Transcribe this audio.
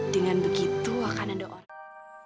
dengan begitu akan ada orang